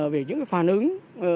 về những phản ứng